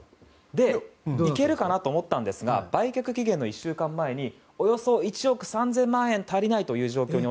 いけるかなと思ったんですが売却期限の１週間前におよそ１億３０００万円足りないという状況に